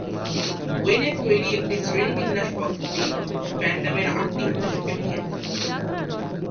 ওয়েনের তৈরি একটি শ্রেণীবিন্যাস পদ্ধতি, ফ্যানডমের আটটি উদ্দেশ্যকে ভেঙে দেয়।